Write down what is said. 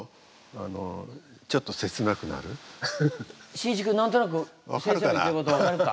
しんいち君何となく先生の言ってること分かるか？